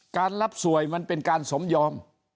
รับสวยมันเป็นการสมยอม